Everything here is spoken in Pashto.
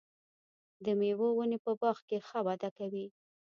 د مېوو ونې په باغ کې ښه وده کوي.